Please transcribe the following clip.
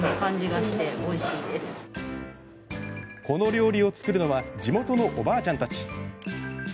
この料理を作るのは地元のおばあちゃんたち。